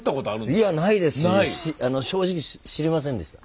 いやないですし正直知りませんでした。